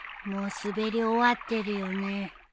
もう滑り終わってるよね。